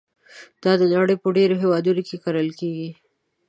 دا د نړۍ په ډېرو هېوادونو کې کرل کېږي.